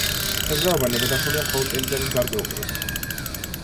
თევზაობა ნებადართულია მხოლოდ წელიწადის გარკვეულ დროს.